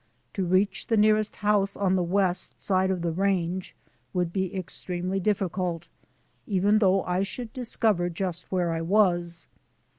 To reach the nearest house on the west side of the range would be extremely difficult, even though I should discover just where I was.